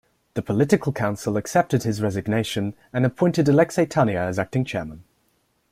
The political council accepted his resignation and appointed Aleksei Tania as acting Chairman.